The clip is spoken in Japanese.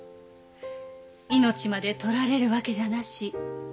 命まで取られるわけじゃなし。